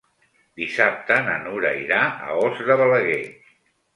Dissabte na Nura irà a Os de Balaguer.